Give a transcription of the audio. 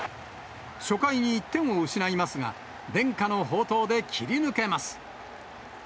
初回に１点を失いますが、伝家の宝刀で切り抜けます。